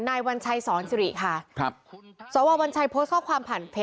วัญชัยสอนสิริค่ะครับสววัญชัยโพสต์ข้อความผ่านเพจ